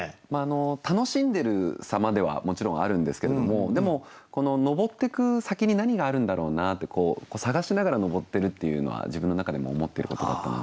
楽しんでる様ではもちろんあるんですけれどもでもこの昇ってく先に何があるんだろうなって探しながら昇ってるっていうのは自分の中でも思ってることだったので。